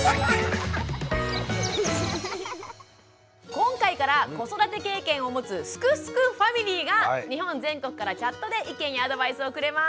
今回から子育て経験を持つ「すくすくファミリー」が日本全国からチャットで意見やアドバイスをくれます。